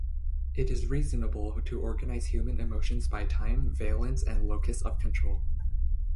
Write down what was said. It is reasonable to organize human emotions by time, valence, and locus of control.